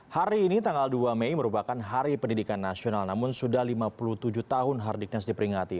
hari ini tanggal dua mei merupakan hari pendidikan nasional namun sudah lima puluh tujuh tahun hardiknas diperingati